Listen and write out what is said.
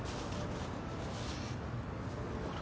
あっ。